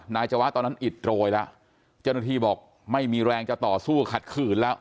จวะตอนนั้นอิดโรยแล้วเจ้าหน้าที่บอกไม่มีแรงจะต่อสู้ขัดขืนแล้ว